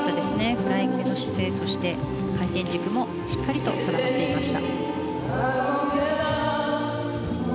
フライングの姿勢そして回転軸もしっかりと定まっていました。